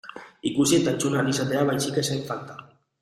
Ikusi eta entzun ahal izatea baizik ez zen falta.